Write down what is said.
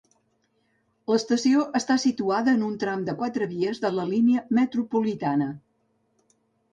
L'estació està situada en un tram de quatre vies de la línia Metropolitana.